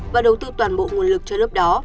và đầu tư toàn bộ nguồn lực cho lớp đó